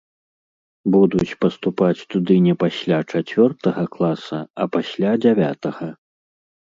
Будуць паступаць туды не пасля чацвёртага класа, а пасля дзявятага.